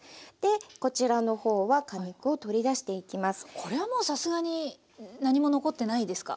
これはもうさすがに何も残ってないですか？